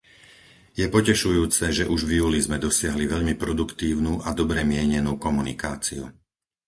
Je potešujúce, že už v júli sme dosiahli veľmi produktívnu a dobre mienenú komunikáciu.